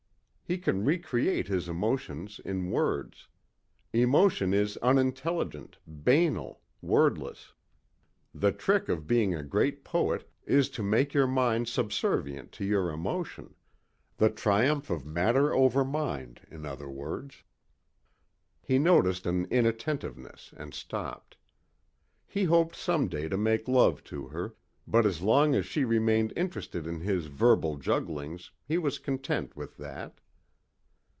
He can recreate his emotions in words. Emotion is unintelligent, banal, wordless. The trick of being a great poet is to make your mind subservient to your emotion the triumph of matter over mind, in other words." He noticed an inattentiveness and stopped. He hoped some day to make love to her but as long as she remained interested in his verbal jugglings he was content with that.